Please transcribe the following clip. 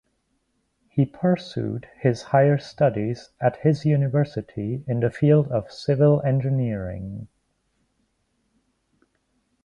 He pursued his higher studies at his university in the field of civil engineering.